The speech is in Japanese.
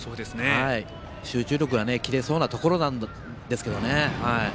集中力が切れそうなところなんですけどね。